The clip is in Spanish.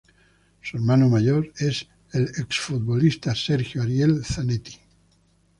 Su hermano mayor es el ex futbolista Sergio Ariel Zanetti.